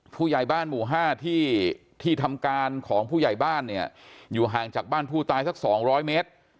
ผู้ใหญ่บ้านหมู่๕ที่ทำการของผู้ใหญ่บ้านเนี่ยอยู่ห่างจากบ้านผู้ตายสัก๒๐๐เมตร